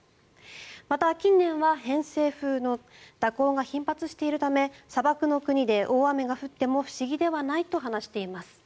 また、近年は偏西風の蛇行が頻発しているため砂漠の国で大雨が降っても不思議ではないと話しています。